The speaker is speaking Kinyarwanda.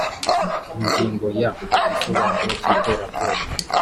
ingingo ya…: igisobanuro cy’iterabwoba